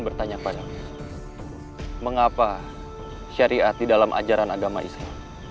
bertanya pada mengapa syariat di dalam ajaran agama islam